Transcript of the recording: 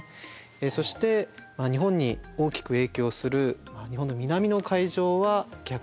そして日本に大きく影響する日本の南の海上は逆に暖かい。